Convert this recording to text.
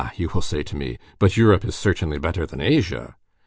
you will say to me, 'but Europe is certainly better than Asia?